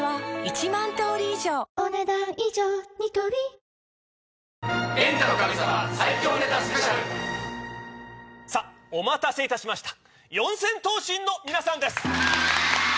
続いては四千頭身のお待たせいたしました四千頭身の皆さんです！